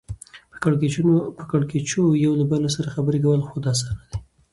په کېړکیچو یو له بله سره خبرې کول خود اسانه دي